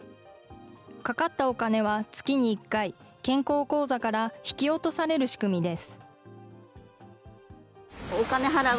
かかったお金は月に１回、健康口座から引き落とされる仕組みです。